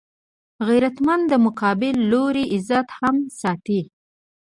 غیرتمند د مقابل لوري عزت هم ساتي